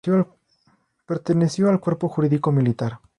Perteneció al Cuerpo Jurídico Militar.